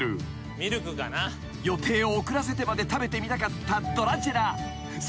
［予定を遅らせてまで食べてみたかった］